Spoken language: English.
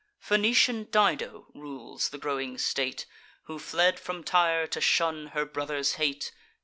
Phoenician Dido rules the growing state, Who fled from Tyre, to shun her brother's hate.